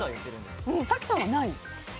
早紀さんは、ない？